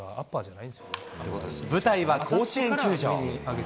舞台は甲子園球場。